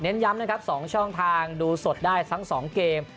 ย้ำนะครับ๒ช่องทางดูสดได้ทั้ง๒เกม